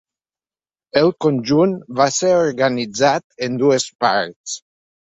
El conjunt va ser organitzat en dues parts.